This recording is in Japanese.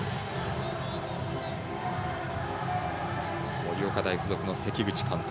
盛岡大付属の関口監督。